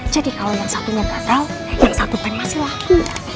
jadi kalau yang satunya gagal yang satu peng masih lagi